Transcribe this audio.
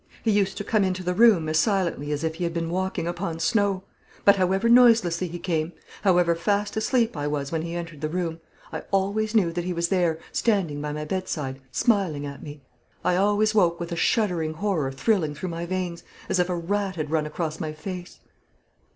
He used to come into the room as silently as if he had been walking upon snow; but however noiselessly he came, however fast asleep I was when he entered the room, I always knew that he was there, standing by my bedside, smiling at me. I always woke with a shuddering horror thrilling through my veins, as if a rat had run across my face.